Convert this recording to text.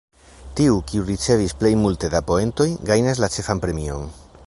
Tiu, kiu ricevis plej multe da poentoj, gajnas la ĉefan premion.